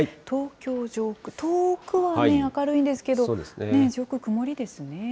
東京上空、遠くは明るいんですけど、上空、曇りですね。